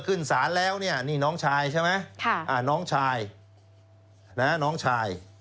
ขึ้นสารแล้วเนี้ยนี่น้องชายใช่ไหมค่ะอ่าน้องชายน่ะน้องชาย